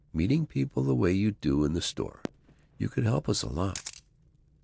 Meeting people the way you do in the store, you could help us a lot.